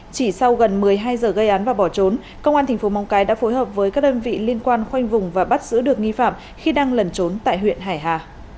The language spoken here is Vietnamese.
chỉ sau gần một mươi hai giờ gây án và bỏ trốn công an thành phố móng cái đã phối hợp với các đơn vị liên quan khoanh vùng và bắt giữ được nghi phạm khi đang lẩn trốn tại huyện hải hà